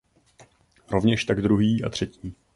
Rovněž tak druhý a třetí.